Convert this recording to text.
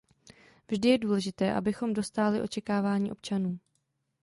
Vždy je důležité, abychom dostáli očekáváním občanů.